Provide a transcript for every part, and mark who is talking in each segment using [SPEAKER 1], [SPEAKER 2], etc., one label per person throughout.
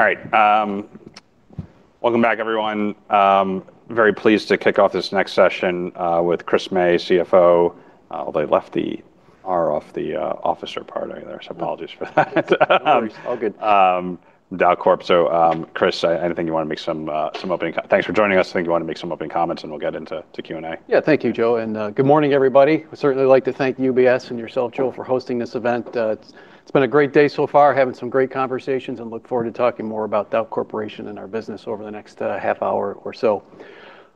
[SPEAKER 1] All right. Welcome back, everyone. Very pleased to kick off this next session with Chris May, CFO. Although they left the R off the officer part in there, so apologies for that.
[SPEAKER 2] No worries. All good.
[SPEAKER 1] Dauch Corp. Chris, thanks for joining us. I think you want to make some opening comments, and we'll get into Q&A.
[SPEAKER 2] Thank you, Joe, and good morning, everybody. I'd certainly like to thank UBS and yourself, Joe, for hosting this event. It's been a great day so far, having some great conversations and look forward to talking more about Dauch Corporation and our business over the next half hour or so.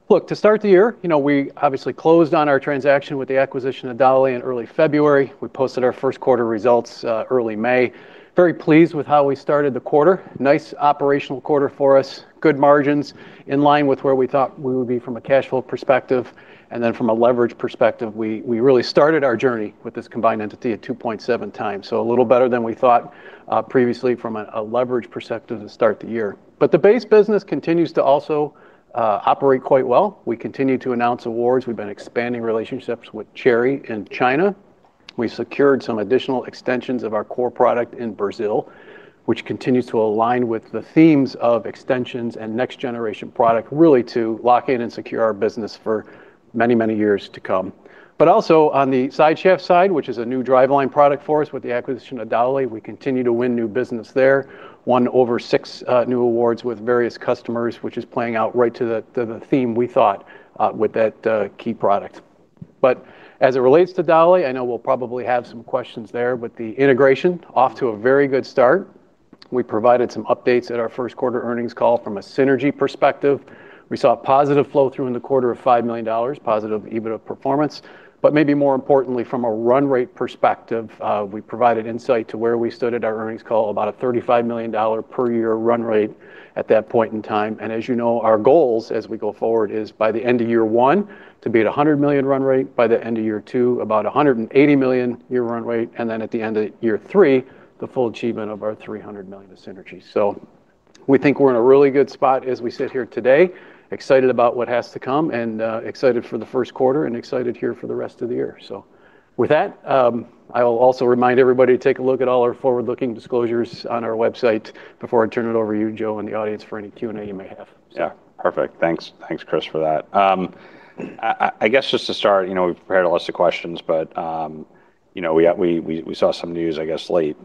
[SPEAKER 2] Look, to start the year, we obviously closed on our transaction with the acquisition of Dowlais in early February. We posted our first quarter results early May. Very pleased with how we started the quarter. Nice operational quarter for us. Good margins in line with where we thought we would be from a cash flow perspective. From a leverage perspective, we really started our journey with this combined entity at 2.7x. A little better than we thought previously from a leverage perspective to start the year. The Base business continues to also operate quite well. We continue to announce awards. We've been expanding relationships with Chery in China. We secured some additional extensions of our core product in Brazil, which continues to align with the themes of extensions and next-generation product, really to lock in and secure our business for many years to come. Also on the Sideshaft side, which is a new driveline product for us with the acquisition of Dowlais, we continue to win new business there. Won over six new awards with various customers, which is playing out right to the theme we thought with that key product. As it relates to Dowlais, I know we'll probably have some questions there, the integration off to a very good start. We provided some updates at our first quarter earnings call from a synergy perspective. We saw a positive flow through in the quarter of $5 million, positive EBITDA performance. Maybe more importantly, from a run rate perspective, we provided insight to where we stood at our earnings call, about a $35 million per year run rate at that point in time. As you know, our goals as we go forward is by the end of year one, to be at $100 million run rate, by the end of year two, about $180 million year run rate, and then at the end of year three, the full achievement of our $300 million of synergy. We think we're in a really good spot as we sit here today. Excited about what has to come and excited for the first quarter and excited here for the rest of the year. With that, I will also remind everybody to take a look at all our forward-looking disclosures on our website before I turn it over to you, Joe, and the audience for any Q&A you may have.
[SPEAKER 1] Yeah. Perfect. Thanks, Chris, for that. I guess, just to start, we've prepared a list of questions, but we saw some news, I guess, late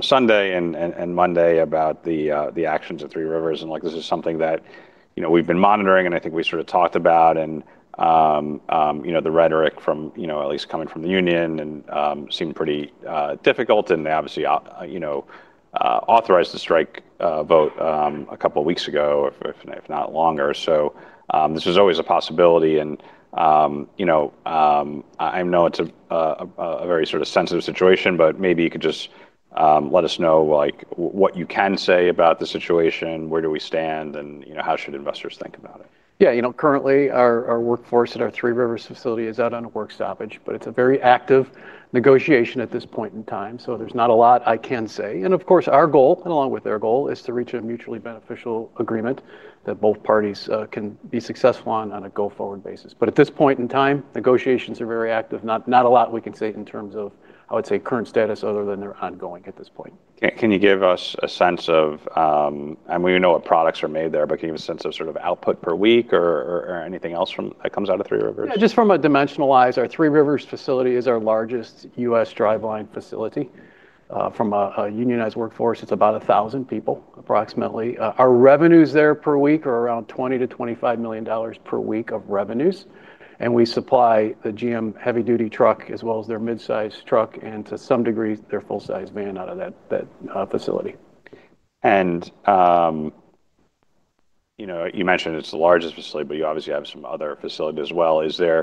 [SPEAKER 1] Sunday and Monday about the actions at Three Rivers, and this is something that we've been monitoring, and I think we sort of talked about, and the rhetoric from at least coming from the union seemed pretty difficult, and obviously authorized the strike vote a couple of weeks ago, if not longer. This was always a possibility and I know it's a very sort of sensitive situation, but maybe you could just let us know what you can say about the situation. Where do we stand and how should investors think about it?
[SPEAKER 2] Yeah. Currently our workforce at our Three Rivers facility is out on a work stoppage, it's a very active negotiation at this point in time. There's not a lot I can say. Of course our goal, and along with their goal, is to reach a mutually beneficial agreement that both parties can be successful on a go-forward basis. At this point in time, negotiations are very active. Not a lot we can say in terms of, I would say, current status other than they're ongoing at this point.
[SPEAKER 1] Can you give us a sense of, and we know what products are made there, but can you give a sense of sort of output per week or anything else that comes out of Three Rivers?
[SPEAKER 2] Yeah, just from a dimensionalized, our Three Rivers facility is our largest U.S. driveline facility. From a unionized workforce, it's about 1,000 people approximately. Our revenues there per week are around $20 million-$25 million per week of revenues. We supply the GM heavy duty truck as well as their mid-size truck and to some degree their full size van out of that facility.
[SPEAKER 1] You mentioned it's the largest facility, but you obviously have some other facilities as well. Is there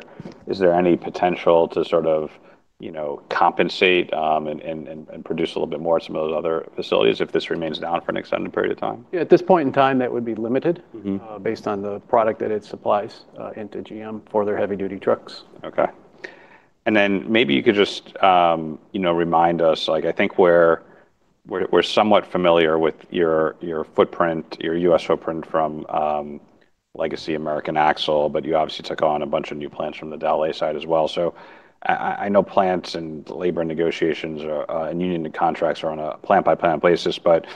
[SPEAKER 1] any potential to sort of compensate and produce a little bit more at some of the other facilities if this remains down for an extended period of time?
[SPEAKER 2] At this point in time, that would be limited based on the product that it supplies into GM for their heavy duty trucks.
[SPEAKER 1] Okay. Maybe you could just remind us, I think we're somewhat familiar with your U.S. footprint from Legacy American Axle, but you obviously took on a bunch of new plants from the Dowlais side as well. I know plants and labor negotiations and union contracts are on a plant-by-plant basis, but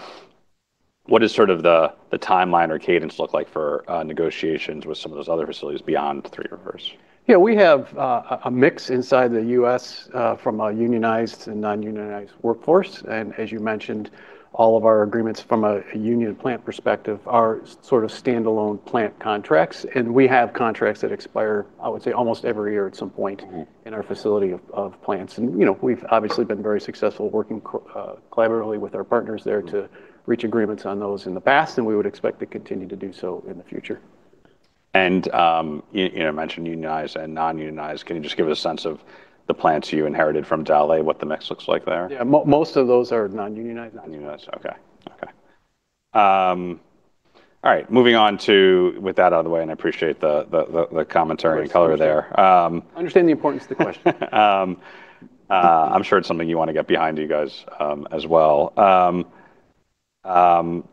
[SPEAKER 1] what does sort of the timeline or cadence look like for negotiations with some of those other facilities beyond Three Rivers?
[SPEAKER 2] Yeah, we have a mix inside the U.S. from a unionized and non-unionized workforce. As you mentioned, all of our agreements from a union plant perspective are sort of standalone plant contracts. We have contracts that expire, I would say, almost every year at some point in our facility of plants. We've obviously been very successful working collaboratively with our partners there to reach agreements on those in the past, and we would expect to continue to do so in the future.
[SPEAKER 1] You mentioned unionized and non-unionized. Can you just give us a sense of the plants you inherited from Dowlais, what the mix looks like there?
[SPEAKER 2] Yeah. Most of those are non-unionized.
[SPEAKER 1] Non-unionized. Okay. All right. With that out of the way, and I appreciate the commentary and color there.
[SPEAKER 2] Understand the importance of the question.
[SPEAKER 1] I'm sure it's something you want to get behind you guys as well. Aside,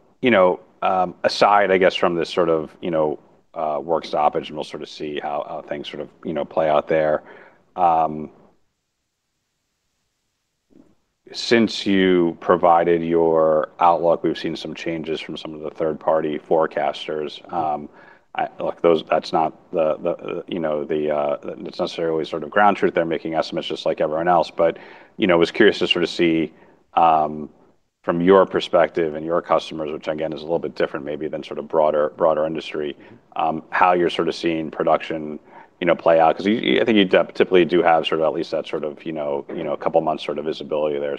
[SPEAKER 1] I guess, from this sort of work stoppage and we'll sort of see how things sort of play out there. Since you provided your outlook, we've seen some changes from some of the third-party forecasters. That's not necessarily ground truth. They're making estimates just like everyone else. I was curious to see from your perspective and your customers, which again, is a little bit different maybe than broader industry, how you're seeing production play out, because I think you typically do have at least that couple months visibility there.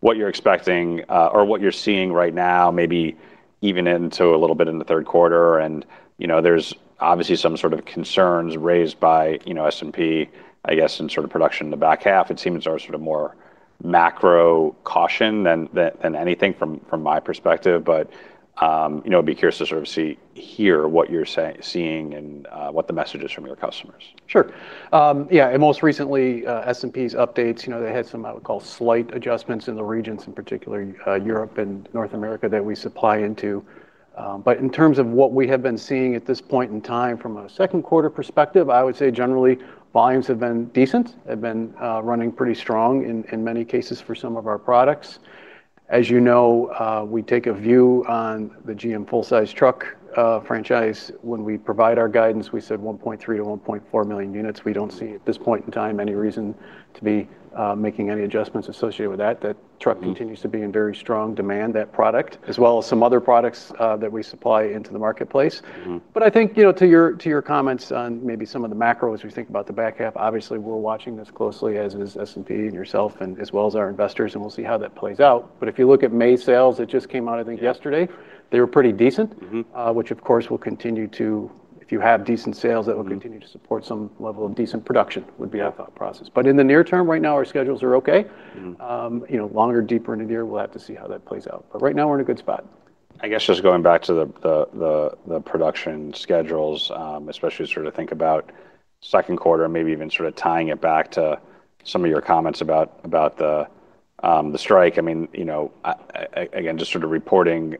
[SPEAKER 1] What you're expecting or what you're seeing right now, maybe even into a little bit in the third quarter, and there's obviously some sort of concerns raised by S&P, I guess, in production in the back half. It seems are more macro caution than anything from my perspective. I'd be curious to hear what you're seeing and what the message is from your customers.
[SPEAKER 2] Sure. Yeah, most recently, S&P's updates, they had some, I would call slight adjustments in the regions, in particular Europe and North America, that we supply into. In terms of what we have been seeing at this point in time from a second quarter perspective, I would say generally volumes have been decent. They've been running pretty strong in many cases for some of our products. As you know, we take a view on the GM full size truck franchise. When we provide our guidance, we said 1.3 million-1.4 million units. We don't see, at this point in time, any reason to be making any adjustments associated with that. That truck continues to be in very strong demand, that product, as well as some other products that we supply into the marketplace. I think, to your comments on maybe some of the macro as we think about the back half, obviously we're watching this closely, as is S&P and yourself, and as well as our investors, and we'll see how that plays out. If you look at May sales that just came out, I think yesterday, they were pretty decent. Which of course will continue to, if you have decent sales, that will continue to support some level of decent production, would be our thought process. In the near-term, right now, our schedules are okay. Longer, deeper into the year, we'll have to see how that plays out. Right now, we're in a good spot.
[SPEAKER 1] I guess just going back to the production schedules, especially as we think about second quarter, and maybe even tying it back to some of your comments about the strike. Again, just reporting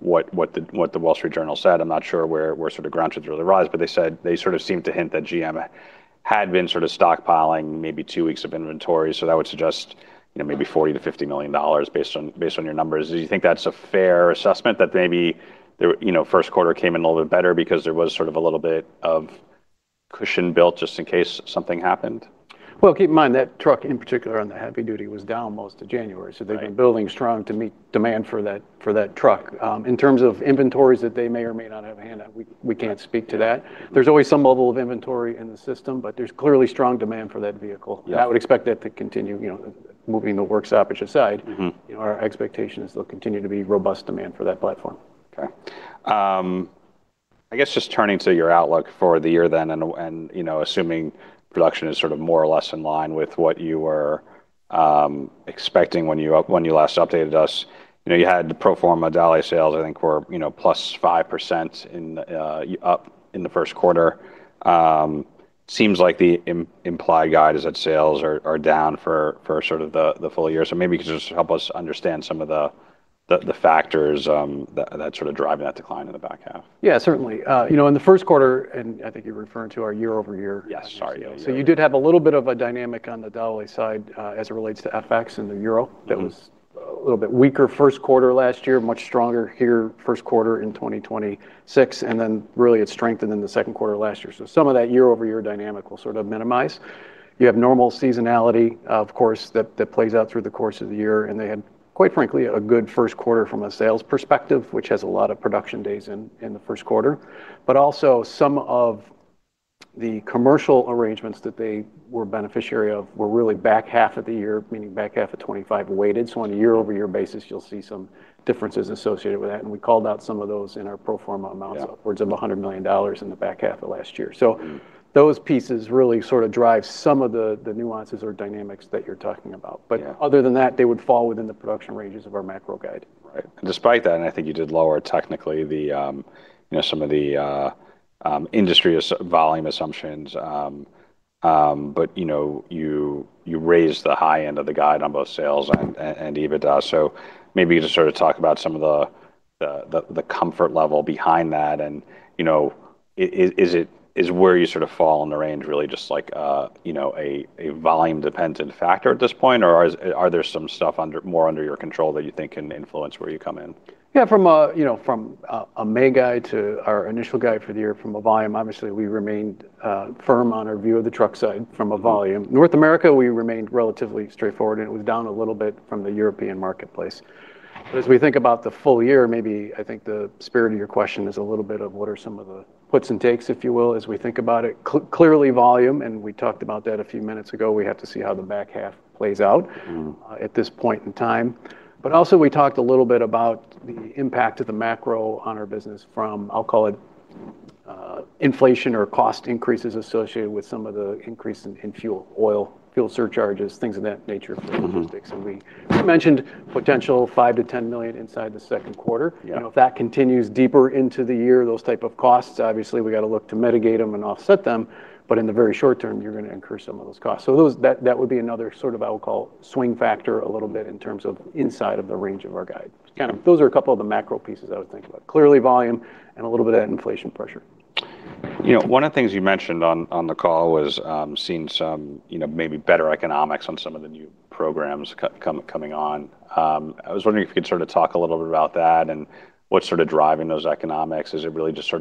[SPEAKER 1] what The Wall Street Journal said, I'm not sure where ground truth really lies, but they said, they seemed to hint that GM had been stockpiling maybe two weeks of inventory. That would suggest maybe $40 million-$50 million based on your numbers. Do you think that's a fair assessment that maybe their first quarter came in a little bit better because there was a little bit of cushion built just in case something happened?
[SPEAKER 2] Well, keep in mind, that truck in particular on the heavy duty was down most of January.
[SPEAKER 1] Right.
[SPEAKER 2] They've been building strong to meet demand for that truck. In terms of inventories that they may or may not have had, we can't speak to that. There's always some level of inventory in the system, but there's clearly strong demand for that vehicle. I would expect that to continue, moving the work stoppage aside. Our expectation is there'll continue to be robust demand for that platform.
[SPEAKER 1] Okay. I guess just turning to your outlook for the year then, assuming production is more or less in line with what you were expecting when you last updated us. You had the pro forma Dowlais sales, I think were +5% up in the first quarter. Seems like the implied guide is that sales are down for the full year. Maybe you could just help us understand some of the factors that drive that decline in the back half.
[SPEAKER 2] Yeah, certainly. In the first quarter, and I think you're referring to our year-over-year.
[SPEAKER 1] Yes, sorry, year-over-year.
[SPEAKER 2] You did have a little bit of a dynamic on the Dowlais side, as it relates to FX and the Europe that was a little bit weaker first quarter last year, much stronger here first quarter in 2026, and then really it strengthened in the second quarter last year. Some of that year-over-year dynamic will minimize. You have normal seasonality, of course, that plays out through the course of the year, and they had, quite frankly, a good first quarter from a sales perspective, which has a lot of production days in the first quarter. Also some of the commercial arrangements that they were beneficiary of were really back half of the year, meaning back half of 2025 weighted. On a year-over-year basis, you'll see some differences associated with that, and we called out some of those in our pro forma amounts upwards of $100 million in the back half of last year. Those pieces really drive some of the nuances or dynamics that you're talking about. Other than that, they would fall within the production ranges of our macro guide.
[SPEAKER 1] Right. Despite that, and I think you did lower technically some of the industry volume assumptions, but you raised the high end of the guide on both sales and EBITDA. Maybe you just talk about some of the comfort level behind that, and is where you fall in the range really just a volume-dependent factor at this point, or are there some stuff more under your control that you think can influence where you come in?
[SPEAKER 2] From a May guide to our initial guide for the year from a volume, obviously, we remained firm on our view of the truck side from a volume. North America, we remained relatively straightforward, and it was down a little bit from the European marketplace. As we think about the full year, maybe I think the spirit of your question is a little bit of what are some of the puts and takes, if you will, as we think about it. Clearly volume, and we talked about that a few minutes ago. We have to see how the back half plays out at this point in time. Also, we talked a little bit about the impact of the macro on our business from, I'll call it, inflation or cost increases associated with some of the increase in fuel oil, fuel surcharges, things of that nature for logistics. We mentioned potential $5 million-$10 million inside the second quarter.
[SPEAKER 1] Yeah.
[SPEAKER 2] If that continues deeper into the year, those type of costs, obviously, we've got to look to mitigate them and offset them, but in the very short term, you're going to incur some of those costs. That would be another sort of, I would call swing factor a little bit in terms of inside of the range of our guide. Those are a couple of the macro pieces I would think about. Clearly volume and a little bit of that inflation pressure.
[SPEAKER 1] One of the things you mentioned on the call was seeing some maybe better economics on some of the new programs coming on. I was wondering if you could talk a little bit about that and what's driving those economics. Is it really just a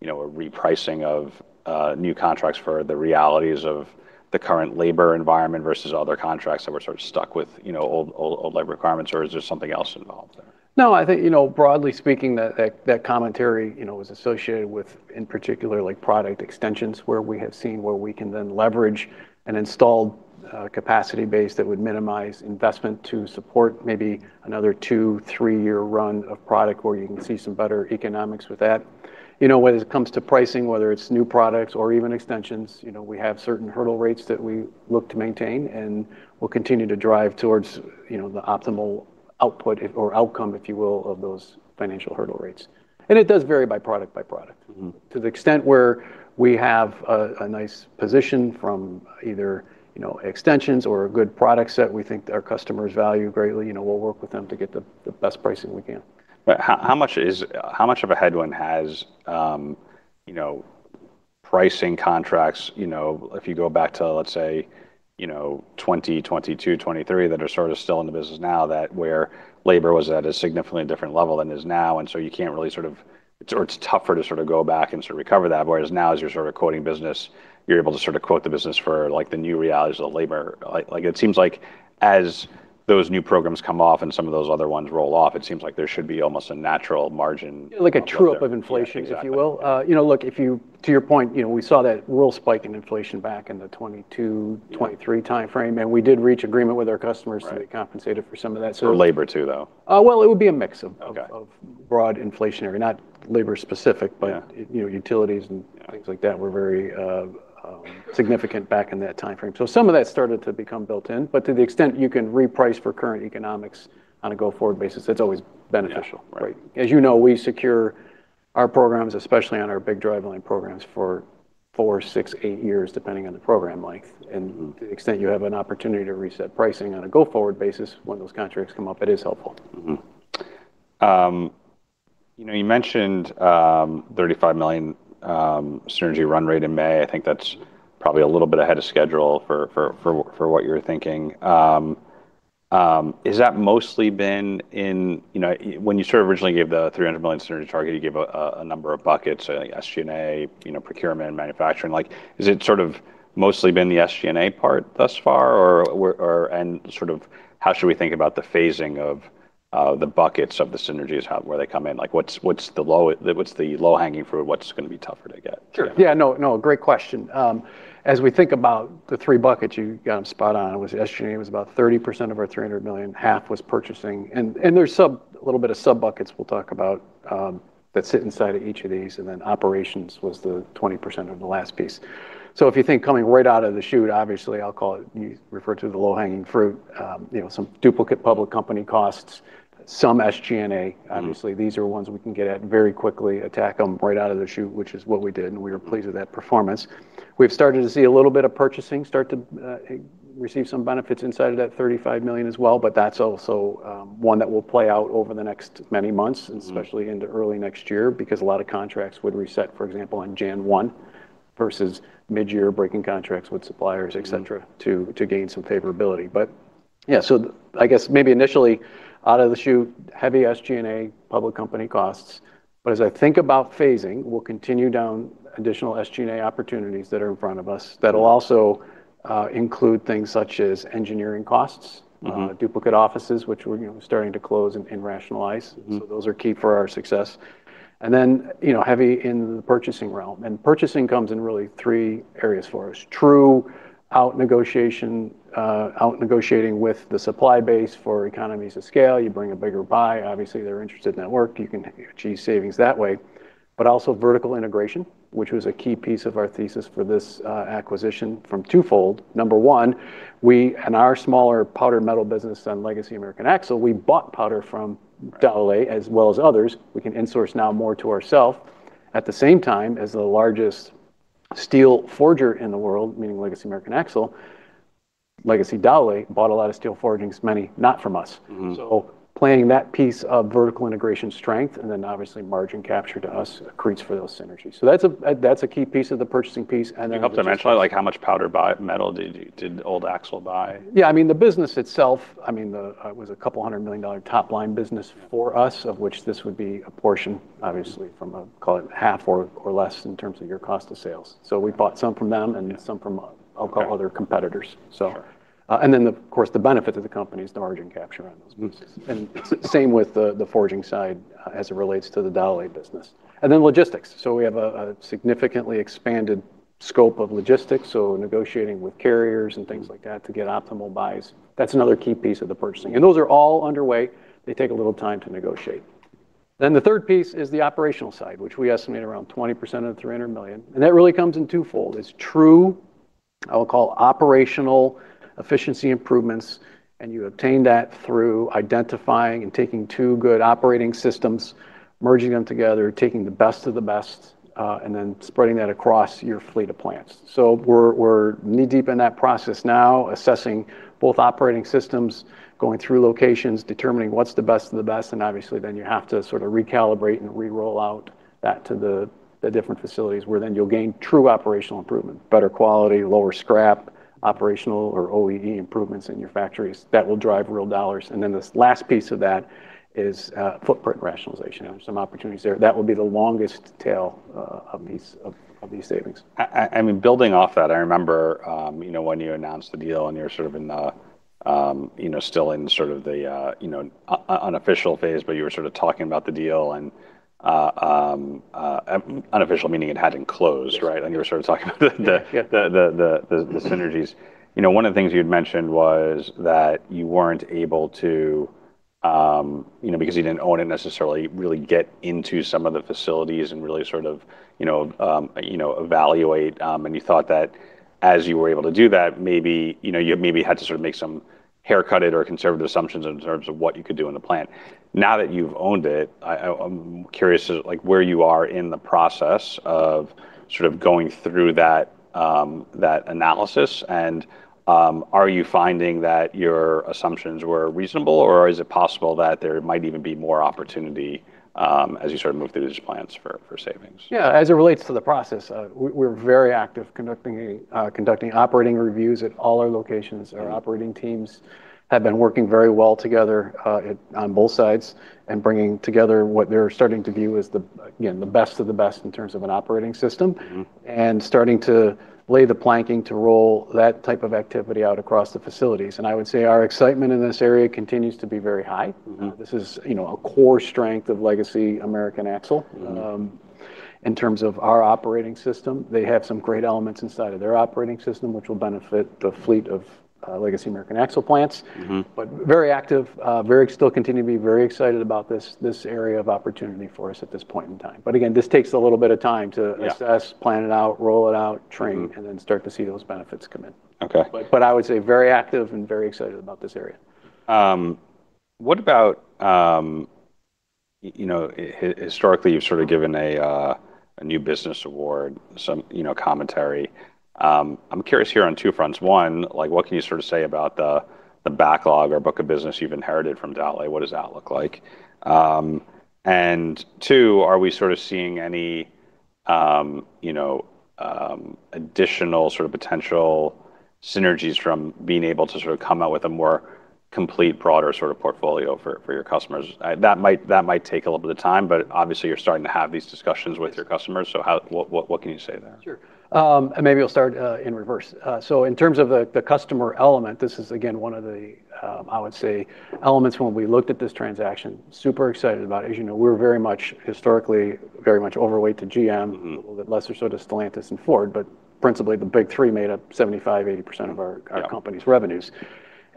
[SPEAKER 1] repricing of new contracts for the realities of the current labor environment versus other contracts that we're sort of stuck with old labor requirements, or is there something else involved there?
[SPEAKER 2] No, I think, broadly speaking, that commentary was associated with, in particular, product extensions where we have seen where we can then leverage an installed capacity base that would minimize investment to support maybe another two, three-year run of product, where you can see some better economics with that. When it comes to pricing, whether it's new products or even extensions, we have certain hurdle rates that we look to maintain, and we'll continue to drive towards the optimal output or outcome, if you will, of those financial hurdle rates. It does vary by product. To the extent where we have a nice position from either extensions or a good product set we think that our customers value greatly, we'll work with them to get the best pricing we can.
[SPEAKER 1] How much of a headwind has pricing contracts, if you go back to, let's say, 2022, 2023, that are sort of still in the business now, that where labor was at a significantly different level than it is now, and so it's tougher to go back and recover that. Whereas now, as you're quoting business, you're able to quote the business for the new realities of labor. It seems like as those new programs come off and some of those other ones roll off, it seems like there should be almost a natural margin.
[SPEAKER 2] Like a trough of inflation.
[SPEAKER 1] Yeah, exactly.
[SPEAKER 2] if you will. Look, to your point, we saw that real spike in inflation back in the 2022, 2023 timeframe, and we did reach agreement with our customers to get compensated for some of that.
[SPEAKER 1] For labor too, though?
[SPEAKER 2] Well, it would be a mix of broad inflationary, not labor specific utilities and things like that were very significant back in that timeframe. Some of that started to become built in, but to the extent you can reprice for current economics on a go-forward basis, that's always beneficial. As you know, we secure our programs, especially on our big driveline programs, for four, six, eight years, depending on the program length. To the extent you have an opportunity to reset pricing on a go-forward basis when those contracts come up, it is helpful.
[SPEAKER 1] You mentioned $35 million synergy run rate in May. I think that's probably a little bit ahead of schedule for what you were thinking. When you originally gave the $300 million synergy target, you gave a number of buckets, like SG&A, procurement, manufacturing. Has it mostly been the SG&A part thus far, and how should we think about the phasing of the buckets of the synergies, where they come in? What's the low-hanging fruit? What's going to be tougher to get?
[SPEAKER 2] Sure. Yeah. No, great question. As we think about the three buckets, you got them spot on. It was SG&A was about 30% of our $300 million, 1/2 was purchasing, and there's a little bit of sub-buckets we'll talk about that sit inside of each of these, and then operations was the 20% of the last piece. If you think coming right out of the chute, obviously, I'll call it, you refer to the low-hanging fruit, some duplicate public company costs, some SG&A. Obviously, these are ones we can get at very quickly, attack them right out of the chute, which is what we did, and we were pleased with that performance. We've started to see a little bit of purchasing, start to receive some benefits inside of that $35 million as well, but that's also one that will play out over the next many months especially into early next year, because a lot of contracts would reset, for example, on January 1 versus midyear breaking contracts with suppliers, et cetera to gain some favorability. Yeah, so I guess maybe initially, out of the chute, heavy SG&A, public company costs. As I think about phasing, we'll continue down additional SG&A opportunities that are in front of us. That'll also include things such as engineering costs, duplicate offices, which we're starting to close and rationalize. Those are key for our success. Heavy in the purchasing realm, and purchasing comes in really three areas for us. True out-negotiating with the supply base for economies of scale, you bring a bigger buy, obviously, they're interested in that work. You can achieve savings that way. But also vertical integration, which was a key piece of our thesis for this acquisition from twofold. Number one, we and our smaller powder metal business on legacy American Axle, we bought powder from Dowlais as well as others. We can in-source now more to ourself. At the same time, as the largest steel forger in the world, meaning legacy American Axle, legacy Dowlais bought a lot of steel forgings, many not from us. Playing that piece of vertical integration strength and then obviously margin capture to us creates for those synergies. That's a key piece of the purchasing piece.
[SPEAKER 1] You helped to mention how much powder metal did old Axle buy?
[SPEAKER 2] Yeah, the business itself, it was a couple hundred million dollar top-line business for us, of which this would be a portion, obviously, from, call it, 1/2 or less in terms of your cost of sales. We bought some from them and some from, I'll call, other competitors.
[SPEAKER 1] Sure.
[SPEAKER 2] Of course, the benefit to the company is the margin capture on those pieces. Same with the forging side as it relates to the Dowlais business. Logistics. We have a significantly expanded scope of logistics, negotiating with carriers and things like that to get optimal buys. That's another key piece of the purchasing. Those are all underway. They take a little time to negotiate. The third piece is the operational side, which we estimate around 20% of the $300 million. That really comes in twofold. It's true, I will call operational efficiency improvements, and you obtain that through identifying and taking two good operating systems, merging them together, taking the best of the best, and then spreading that across your fleet of plants. We're knee-deep in that process now, assessing both operating systems, going through locations, determining what's the best of the best, and obviously then you have to sort of recalibrate and re-roll out that to the different facilities, where then you'll gain true operational improvement, better quality, lower scrap, operational or OEE improvements in your factories that will drive real dollars. This last piece of that is footprint rationalization. There's some opportunities there. That will be the longest tail of these savings.
[SPEAKER 1] I mean, building off that, I remember when you announced the deal and you were still in the unofficial phase, but you were talking about the deal and, unofficial meaning it hadn't closed, right?
[SPEAKER 2] Yes.
[SPEAKER 1] You were sort of talking about the synergies. One of the things you'd mentioned was that you weren't able to, because you didn't own it necessarily, really get into some of the facilities and really sort of evaluate, and you thought that as you were able to do that, you maybe had to make some haircutted or conservative assumptions in terms of what you could do in the plant. Now that you've owned it, I'm curious where you are in the process of going through that analysis and are you finding that your assumptions were reasonable or is it possible that there might even be more opportunity as you move through these plants for savings?
[SPEAKER 2] Yeah. As it relates to the process, we're very active conducting operating reviews at all our locations. Our operating teams have been working very well together on both sides and bringing together what they're starting to view as the, again, the best of the best in terms of an operating system. Starting to lay the planking to roll that type of activity out across the facilities. I would say our excitement in this area continues to be very high. This is a core strength of legacy American Axle in terms of our operating system. They have some great elements inside of their operating system, which will benefit the fleet of Legacy American Axle plants. Very active, still continue to be very excited about this area of opportunity for us at this point in time. Again, this takes a little of time to assess, plan it out, roll it out, train, and then start to see those benefits come in.
[SPEAKER 1] Okay.
[SPEAKER 2] I would say very active and very excited about this area.
[SPEAKER 1] What about historically you've sort of given a new business award, some commentary. I'm curious here on two fronts. One, what can you say about the backlog or book of business you've inherited from Dowlais? What does that look like? Two, are we seeing any additional potential synergies from being able to come out with a more complete, broader portfolio for your customers? That might take a little bit of time, but obviously you're starting to have these discussions with your customers. What can you say there?
[SPEAKER 2] Sure. Maybe I'll start in reverse. In terms of the customer element, this is again one of the, I would say, elements when we looked at this transaction, super excited about it. As you know, we're historically very much overweight to GM. A little bit lesser so to Stellantis and Ford, principally the big three made up 75%-80% of our company's revenues.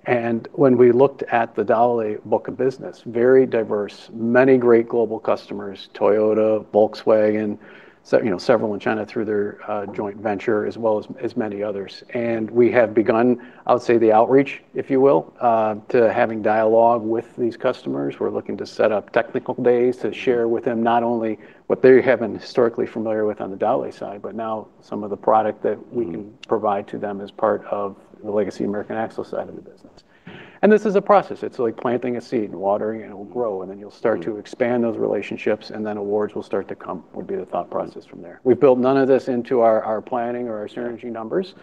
[SPEAKER 2] When we looked at the Dowlais book of business, very diverse, many great global customers, Toyota, Volkswagen, several in China through their joint venture, as well as many others. We have begun, I would say, the outreach, if you will, to having dialogue with these customers. We're looking to set up technical days to share with them not only what they have been historically familiar with on the Dauch side, but now some of the product that we can provide to them as part of the legacy American Axle side of the business. This is a process. It's like planting a seed and watering it, and it will grow, and then you'll start to expand those relationships, and then awards will start to come, would be the thought process from there. We've built none of this into our planning or our synergy numbers.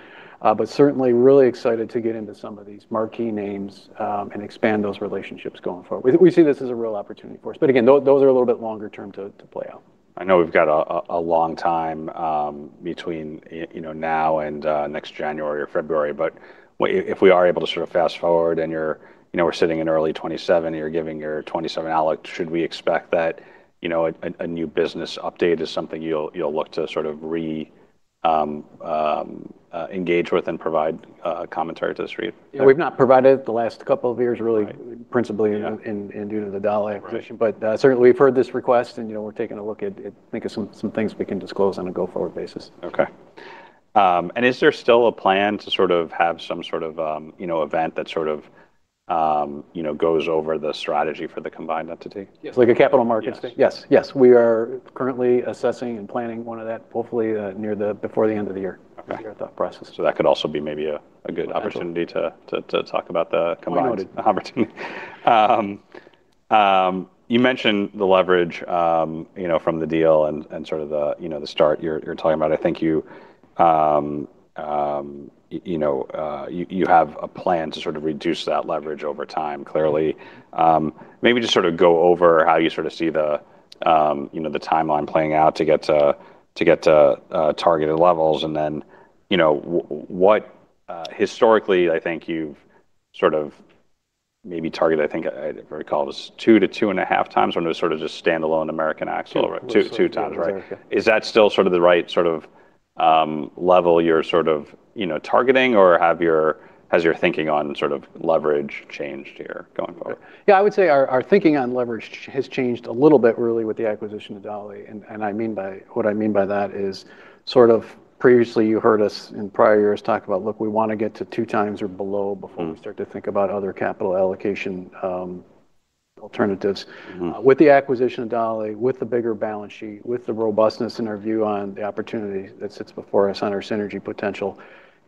[SPEAKER 2] Certainly really excited to get into some of these marquee names, and expand those relationships going forward. We see this as a real opportunity for us. Again, those are a little bit longer term to play out.
[SPEAKER 1] I know we've got a long time between now and next January or February, but if we are able to fast-forward and we're sitting in early 2027 and you're giving your 2027 outlook, should we expect that a new business update is something you'll look to re-engage with and provide commentary to the street?
[SPEAKER 2] We've not provided the last couple of years, really principally in due to the Dowlais acquisition. Certainly we've heard this request and we're taking a look at thinking of some things we can disclose on a go-forward basis.
[SPEAKER 1] Okay. Is there still a plan to have some sort of event that goes over the strategy for the combined entity?
[SPEAKER 2] Yes. Like a capital markets day? Yes. We are currently assessing and planning one of that, hopefully before the end of the year.
[SPEAKER 1] Our thought process. That could also be maybe a good opportunity to talk about the combined-
[SPEAKER 2] Well noted.
[SPEAKER 1] opportunity. You mentioned the leverage from the deal and the start. You're talking about, I think you have a plan to reduce that leverage over time, clearly. Maybe just go over how you see the timeline playing out to get to targeted levels. What, historically, I think you've maybe targeted, if I recall, it was 2x to 2.5x when it was just standalone American Axle. Two times, right?
[SPEAKER 2] Yeah.
[SPEAKER 1] Is that still the right level you're sort of targeting, or has your thinking on sort of leverage changed here going forward?
[SPEAKER 2] Yeah, I would say our thinking on leverage has changed a little bit really with the acquisition of Dowlais. What I mean by that is sort of previously you heard us in prior years talk about, look, we want to get to 2x or below, we start to think about other capital allocation alternatives. With the acquisition of Dowlais, with the bigger balance sheet, with the robustness in our view on the opportunity that sits before us on our synergy potential,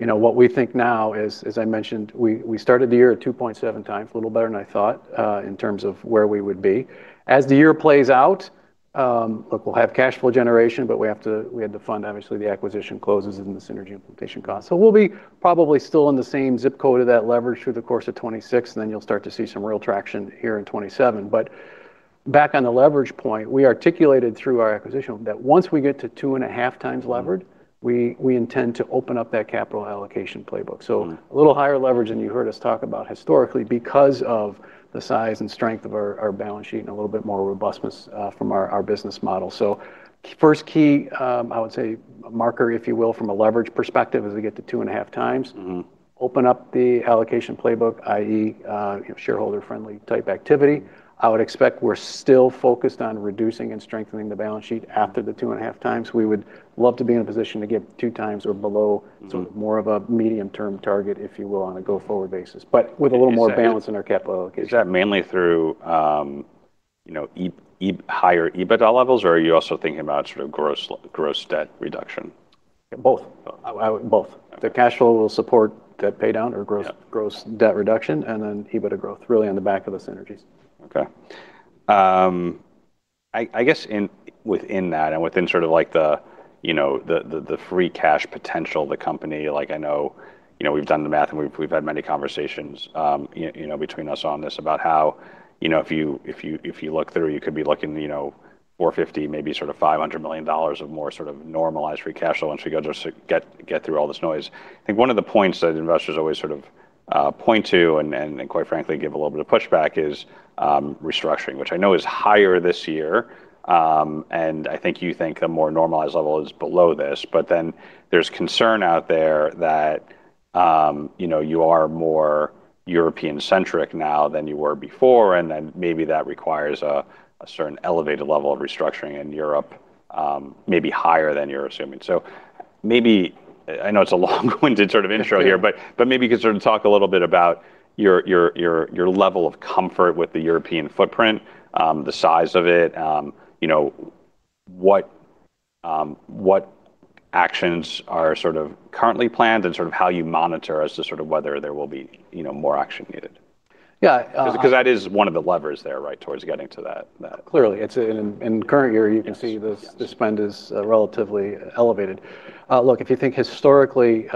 [SPEAKER 2] what we think now is, as I mentioned, we started the year at 2.7x, a little better than I thought in terms of where we would be. The year plays out, look, we'll have cash flow generation, but we had to fund, obviously, the acquisition closes and the synergy implementation cost. We'll be probably still in the same zip code of that leverage through the course of 2026, and then you'll start to see some real traction here in 2027. Back on the leverage point, we articulated through our acquisition that once we get to 2.5x levered we intend to open up that capital allocation playbook. A little higher leverage than you heard us talk about historically because of the size and strength of our balance sheet and a little bit more robustness from our business model. First key, I would say, marker if you will, from a leverage perspective, as we get to 2.5x open up the allocation playbook, i.e., shareholder friendly type activity. I would expect we're still focused on reducing and strengthening the balance sheet after the 2.5x. We would love to be in a position to get 2x or below. It's more of a medium-term target, if you will, on a go-forward basis, but with a little more balance in our capital allocation.
[SPEAKER 1] Is that mainly through higher EBITDA levels, or are you also thinking about sort of gross debt reduction?
[SPEAKER 2] Both. The cash flow will support debt paydown or gross debt reduction, and then EBITDA growth really on the back of the synergies.
[SPEAKER 1] Okay. I guess within that and within sort of the free cash potential of the company, I know we've done the math, and we've had many conversations between us on this about how if you look through, you could be looking $450, maybe sort of $500 million of more sort of normalized free cash flow once we go just to get through all this noise. I think one of the points that investors always sort of point to and, quite frankly, give a little bit of pushback is restructuring, which I know is higher this year. I think you think a more normalized level is below this, but then there's concern out there that you are more European centric now than you were before, and then maybe that requires a certain elevated level of restructuring in Europe, maybe higher than you're assuming. Maybe, I know it's a long-winded sort of intro here, but maybe you could sort of talk a little bit about your level of comfort with the European footprint, the size of it, what actions are sort of currently planned, and sort of how you monitor as to sort of whether there will be more action needed. That is one of the levers there, right, towards getting to that.
[SPEAKER 2] Clearly. In current year, you can see the spend is relatively elevated. Look, if you think historically,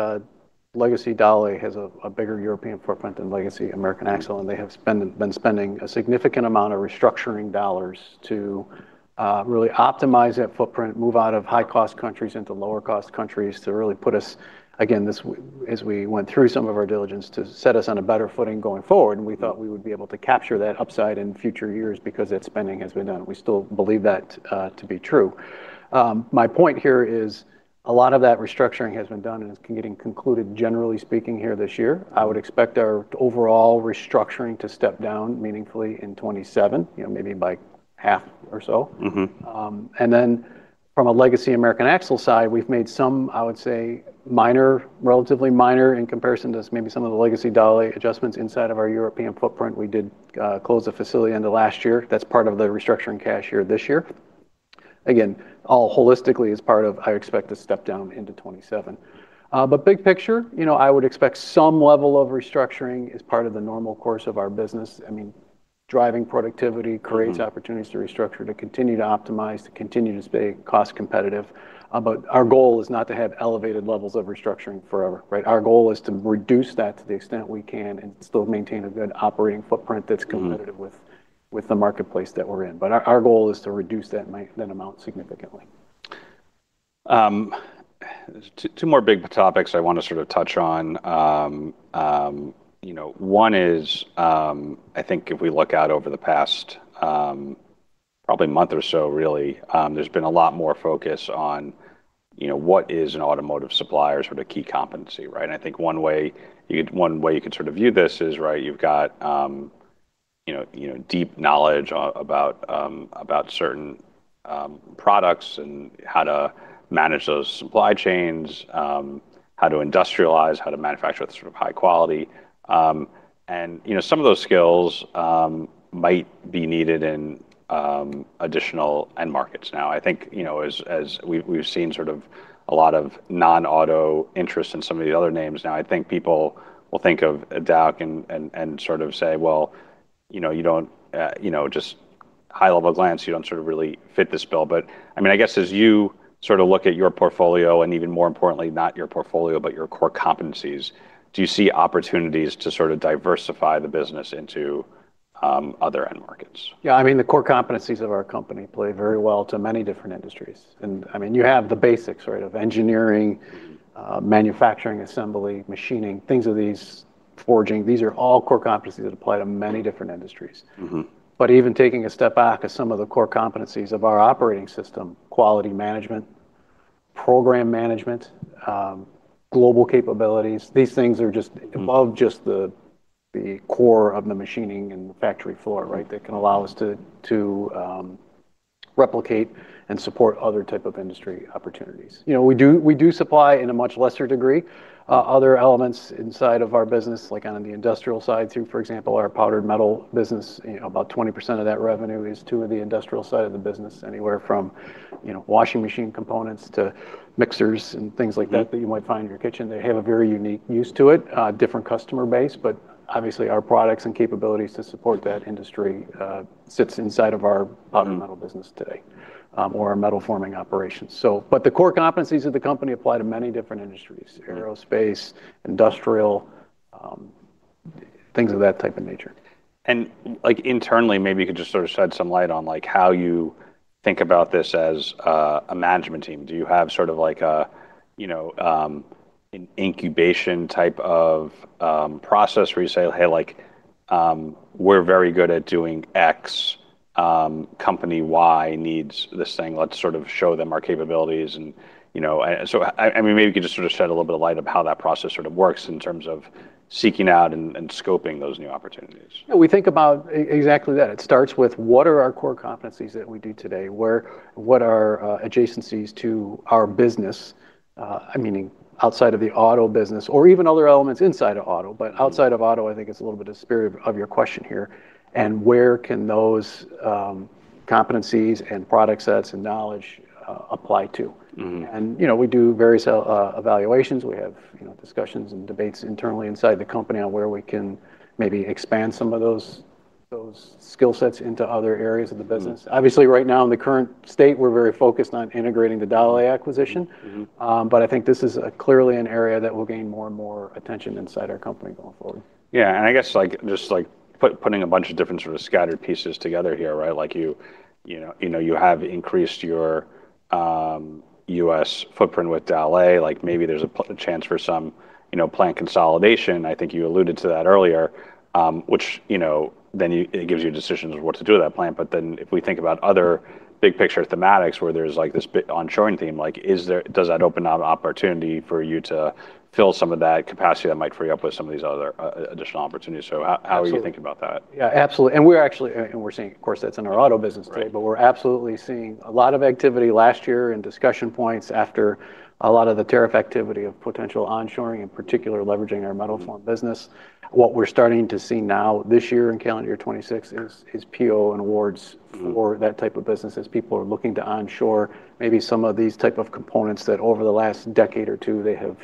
[SPEAKER 2] legacy Dowlais has a bigger European footprint than legacy American Axle, and they have been spending a significant amount of restructuring dollars to really optimize that footprint, move out of high-cost countries into lower-cost countries to really put us, again, as we went through some of our diligence to set us on a better footing going forward. We thought we would be able to capture that upside in future years because that spending has been done. We still believe that to be true. My point here is a lot of that restructuring has been done and is getting concluded, generally speaking, here this year. I would expect our overall restructuring to step down meaningfully in 2027, maybe by 1/2 or so. Then from a legacy American Axle side, we've made some, I would say, relatively minor in comparison to maybe some of the legacy Dowlais adjustments inside of our European footprint. We did close a facility end of last year. That's part of the restructuring cash here this year. Again, all holistically as part of, I expect, a step down into 2027. Big picture, I would expect some level of restructuring as part of the normal course of our business. Driving productivity creates opportunities to restructure, to continue to optimize, to continue to stay cost competitive. Our goal is not to have elevated levels of restructuring forever, right? Our goal is to reduce that to the extent we can and still maintain a good operating footprint that's competitive with the marketplace that we're in. Our goal is to reduce that amount significantly.
[SPEAKER 1] Two more big topics I want to sort of touch on. One is, I think if we look out over the past probably month or so really, there's been a lot more focus on what is an automotive supplier's sort of key competency, right? I think one way you could sort of view this as you've got deep knowledge about certain products and how to manage those supply chains, how to industrialize, how to manufacture at sort of high quality. Some of those skills might be needed in additional end markets now. I think as we've seen sort of a lot of non-auto interest in some of the other names now, I think people will think of Dauch and sort of say, well, just high-level glance, you don't sort of really fit this bill. I guess as you sort of look at your portfolio and even more importantly, not your portfolio, but your core competencies, do you see opportunities to sort of diversify the business into other end markets?
[SPEAKER 2] Yeah, the core competencies of our company play very well to many different industries. You have the basics of engineering, manufacturing, assembly, machining, things of these, forging, these are all core competencies that apply to many different industries. Even taking a step back at some of the core competencies of our operating system, quality management, program management, global capabilities. These things are just above just the core of the machining and the factory floor, right? That can allow us to replicate and support other type of industry opportunities. We do supply in a much lesser degree, other elements inside of our business, like on the industrial side through, for example, our powdered metal business. About 20% of that revenue is to the industrial side of the business. Anywhere from washing machine components to mixers and things like that you might find in your kitchen. They have a very unique use to it, a different customer base, but obviously our products and capabilities to support that industry sits inside of our powdered Metal business today, or our metal forming operations. The core competencies of the company apply to many different industries, aerospace, industrial, things of that type and nature.
[SPEAKER 1] Internally, maybe you could just sort of shed some light on how you think about this as a management team. Do you have sort of an incubation type of process where you say, "Hey, we're very good at doing X, Company Y needs this thing. Let's sort of show them our capabilities"? Maybe you could just sort of shed a little bit of light of how that process sort of works in terms of seeking out and scoping those new opportunities.
[SPEAKER 2] Yeah, we think about exactly that. It starts with what are our core competencies that we do today? What are adjacencies to our business, meaning outside of the Auto business or even other elements inside of Auto, but outside of Auto, I think is a little bit of spirit of your question here. Where can those competencies and product sets and knowledge apply to? We do various evaluations. We have discussions and debates internally inside the company on where we can maybe expand some of those skill sets into other areas of the business. Obviously, right now in the current state, we're very focused on integrating the Dowlais acquisition. I think this is clearly an area that will gain more and more attention inside our company going forward.
[SPEAKER 1] Yeah. I guess just putting a bunch of different sort of scattered pieces together here, right? You have increased your U.S. footprint with Dowlais. Maybe there's a chance for some plant consolidation. I think you alluded to that earlier, which it gives you decisions of what to do with that plant. If we think about other big picture thematics where there's this bit onshoring theme, does that open up opportunity for you to fill some of that capacity that might free up with some of these other additional opportunities? How are you-
[SPEAKER 2] Absolutely
[SPEAKER 1] thinking about that?
[SPEAKER 2] Yeah, absolutely. We're seeing, of course, that's in our Auto business today. We're absolutely seeing a lot of activity last year and discussion points after a lot of the tariff activity of potential onshoring, in particular leveraging our Metal-Forming business. What we're starting to see now this year in calendar year 2026 is PO and awards for that type of business as people are looking to onshore maybe some of these type of components that over the last decade or two, they have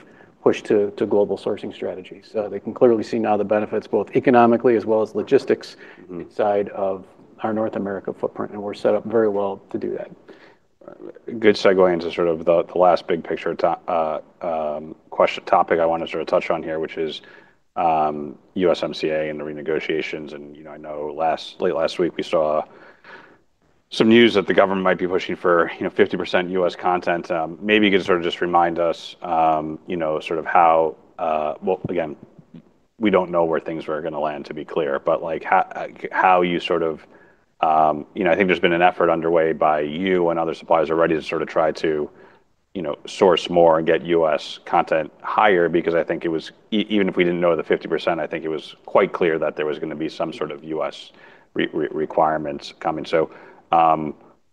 [SPEAKER 2] pushed to global sourcing strategies. They can clearly see now the benefits, both economically as well as logistics side of our North America footprint, and we're set up very well to do that.
[SPEAKER 1] Good segue into sort of the last big picture topic I want to sort of touch on here, which is USMCA and the renegotiations. I know late last week we saw some news that the government might be pushing for 50% U.S. content. Maybe you could sort of just remind us, well, again, we don't know where things are going to land, to be clear, but I think there's been an effort underway by you and other suppliers already to sort of try to source more and get U.S. content higher, because even if we didn't know the 50%, I think it was quite clear that there was going to be some sort of U.S. requirements coming.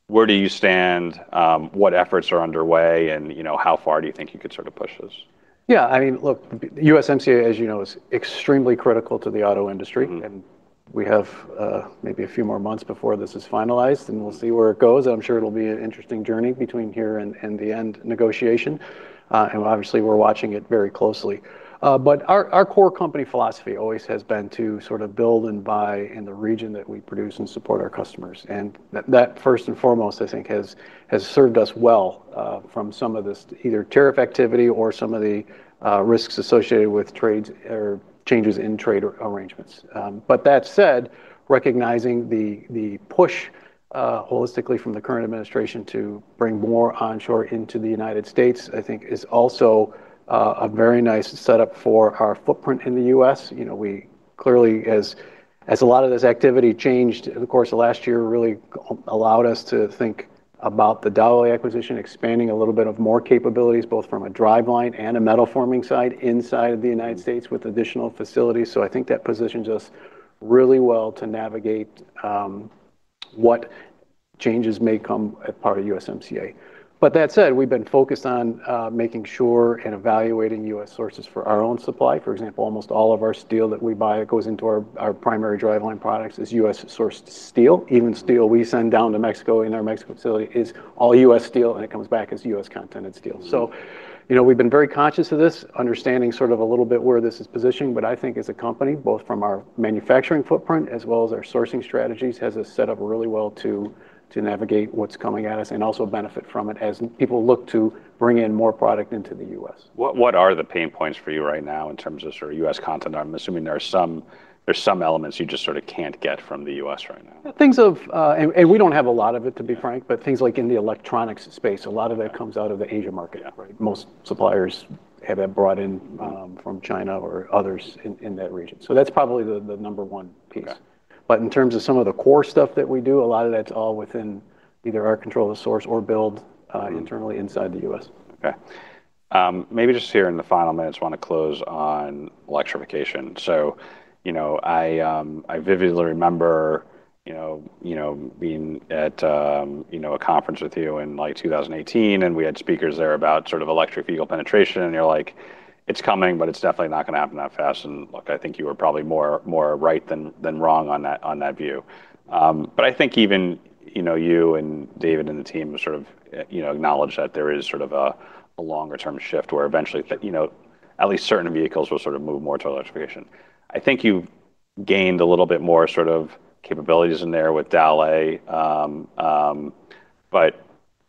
[SPEAKER 1] Where do you stand? What efforts are underway, and how far do you think you could sort of push this?
[SPEAKER 2] Yeah. Look, USMCA, as you know, is extremely critical to the Auto industry. We have maybe a few more months before this is finalized, and we'll see where it goes. I'm sure it'll be an interesting journey between here and the end negotiation. Obviously we're watching it very closely. Our core company philosophy always has been to sort of build and buy in the region that we produce and support our customers. That first and foremost, I think has served us well, from some of this either tariff activity or some of the risks associated with changes in trade arrangements. That said, recognizing the push holistically from the current administration to bring more onshore into the United States, I think is also a very nice setup for our footprint in the U.S. We clearly, as a lot of this activity changed in the course of last year, really allowed us to think about the Dowlais acquisition, expanding a little bit of more capabilities, both from a driveline and a Metal-Forming side inside of the U.S. with additional facilities. I think that positions us really well to navigate what changes may come as part of USMCA. That said, we've been focused on making sure and evaluating U.S. sources for our own supply. For example, almost all of our steel that we buy that goes into our primary driveline products is U.S.-sourced steel. Even steel we send down to Mexico in our Mexico facility is all U.S. steel, and it comes back as U.S. content and steel. We've been very conscious of this, understanding sort of a little bit where this is positioned, but I think as a company, both from our manufacturing footprint as well as our sourcing strategies, has us set up really well to navigate what's coming at us and also benefit from it as people look to bring in more product into the U.S.
[SPEAKER 1] What are the pain points for you right now in terms of sort of U.S. content? I'm assuming there's some elements you just sort of can't get from the U.S. right now.
[SPEAKER 2] We don't have a lot of it, to be frank, but things like in the electronics space, a lot of that comes out of the Asia market, right? Most suppliers have that brought in from China or others in that region. That's probably the number one piece. In terms of some of the core stuff that we do, a lot of that's all within either our control of the source or build internally inside the U.S.
[SPEAKER 1] Maybe just here in the final minutes, want to close on electrification. I vividly remember being at a conference with you in like 2018, and we had speakers there about electric vehicle penetration, and you're like, "It's coming, but it's definitely not going to happen that fast." Look, I think you are probably more right than wrong on that view. I think even you and David and the team acknowledge that there is a longer-term shift where eventually at least certain vehicles will move more to electrification. I think you've gained a little bit more capabilities in there with Dowlais,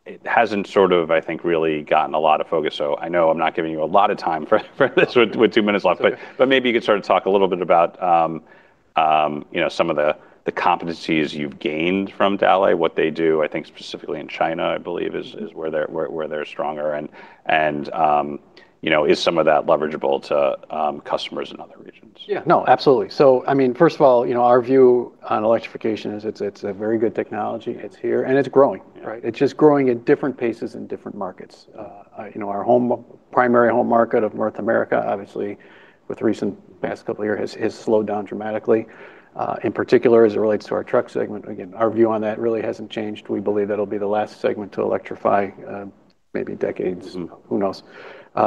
[SPEAKER 1] it hasn't, I think, really gotten a lot of focus. I know I'm not giving you a lot of time for this with two minutes left. Maybe you could talk a little bit about some of the competencies you've gained from Dowlais, what they do, I think specifically in China, I believe is where they're stronger and is some of that leverageable to customers in other regions?
[SPEAKER 2] Yeah. No, absolutely. First of all, our view on electrification is it's a very good technology. It's here and it's growing. It's just growing at different paces in different markets. Our primary home market of North America, obviously with recent past couple year has slowed down dramatically. In particular as it relates to our truck segment. Our view on that really hasn't changed. We believe that'll be the last segment to electrify, maybe decades. Who knows?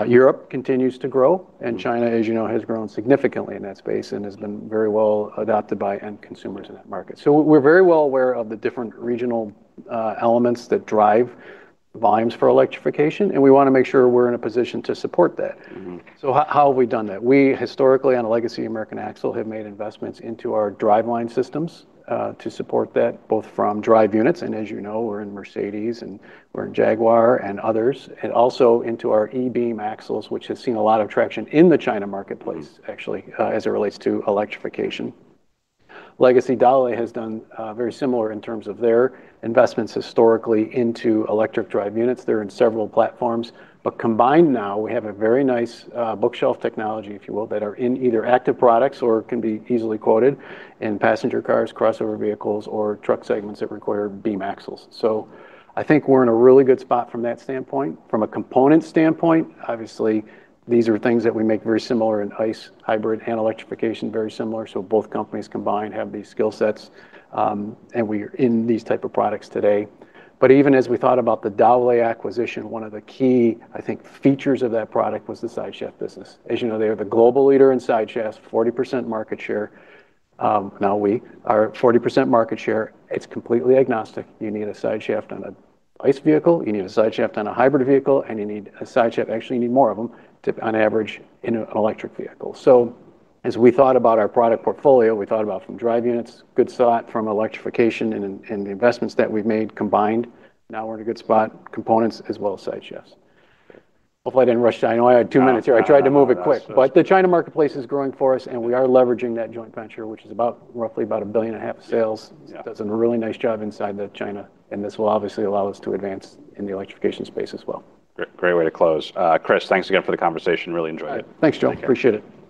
[SPEAKER 2] Europe continues to grow and China, as you know, has grown significantly in that space and has been very well adopted by end consumers in that market. We're very well aware of the different regional elements that drive volumes for electrification, and we want to make sure we're in a position to support that. How have we done that? We historically on a legacy American Axle have made investments into our driveline systems, to support that both from drive units and as you know, we're in Mercedes and we're in Jaguar and others. Also into our e-beam axles, which has seen a lot of traction in the China marketplace actually, as it relates to electrification. Legacy Dowlais has done very similar in terms of their investments historically into electric drive units. They're in several platforms, but combined now we have a very nice bookshelf technology, if you will, that are in either active products or can be easily quoted in passenger cars, crossover vehicles, or truck segments that require beam axles. I think we're in a really good spot from that standpoint. From a component standpoint, obviously these are things that we make very similar in ICE hybrid and electrification, very similar. Both companies combined have these skill sets, and we are in these type of products today. Even as we thought about the Dowlais acquisition, one of the key, I think, features of that product was the sideshaft business. As you know, they are the global leader in sideshafts, 40% market share. Now we are 40% market share. It's completely agnostic. You need a sideshaft on an ICE vehicle. You need a sideshaft on a hybrid vehicle, and you need a sideshaft, actually, you need more of them, on average in an electric vehicle. As we thought about our product portfolio, we thought about from drive units, good spot from electrification and the investments that we've made combined. Now we're in a good spot, components as well as sideshafts. Hopefully I didn't rush. I know I had two minutes here. I tried to move it quick. The China marketplace is growing for us and we are leveraging that joint venture, which is roughly about a $1.5 billion sales. Does a really nice job inside China and this will obviously allow us to advance in the electrification space as well.
[SPEAKER 1] Great way to close. Chris, thanks again for the conversation. Really enjoyed it.
[SPEAKER 2] Thanks, Joe. Appreciate it. Thanks.